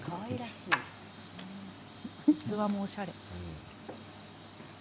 器もおしゃれ。